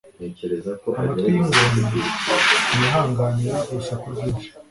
amatwi y'ingona ntiyihanganira urusaku rwinshi,